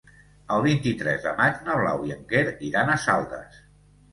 El vint-i-tres de maig na Blau i en Quer iran a Saldes.